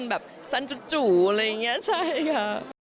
แบบสั้นจู่อะไรอย่างนี้ใช่ค่ะ